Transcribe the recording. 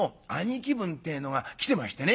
分ってえのが来てましてね」。